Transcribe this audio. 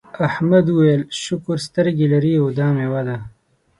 احمد وویل شکر سترګې لرې او دا میوه ده.